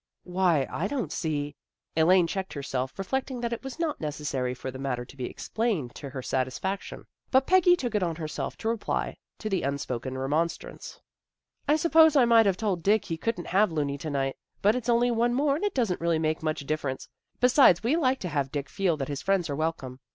" Why, I don't see " Elaine checked her self, reflecting that it was not necessary for the matter to be explained to her satisfaction. But Peggy took it on herself to reply to the un spoken remonstrance. ' I suppose I might have told Dick he couldn't have Looney to night. But it's only one more and it doesn't really make much dif ference. Besides we like to have Dick feel that his friends are welcome.